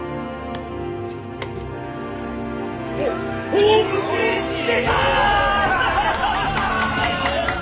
ホームページ出た！